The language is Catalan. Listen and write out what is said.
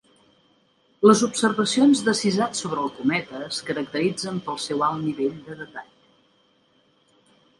Les observacions de Cysat sobre el cometa es caracteritzen pel seu alt nivell de detall